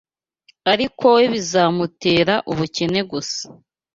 ariko we bizamutera ubukene gusa